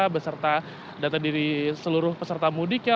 beserta data diri seluruh peserta mudiknya